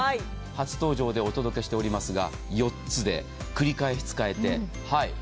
初登場でお届けしておりますが４つで繰り返し使えて。